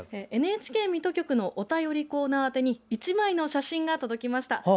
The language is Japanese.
ＮＨＫ水戸局のお便りコーナー宛てに１枚の写真が届きました。